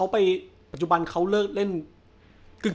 ไปปัจจุบันเขาเลิกเล่น